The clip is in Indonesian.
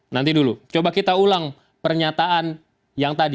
nanti dulu coba kita ulang pernyataan yang tadi